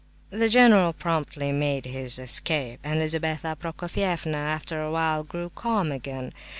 The general promptly made his escape, and Lizabetha Prokofievna after a while grew calm again.